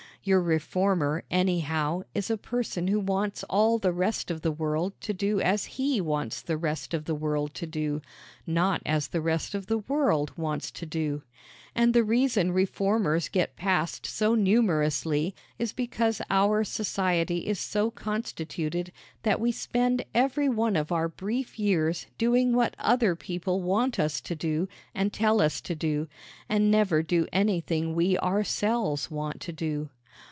Your reformer, anyhow, is a person who wants all the rest of the world to do as he wants the rest of the world to do, not as the rest of the world wants to do. And the reason reformers get past so numerously is because our society is so constituted that we spend every one of our brief years doing what other people want us to do and tell us to do, and never do anything we ourselves want to do.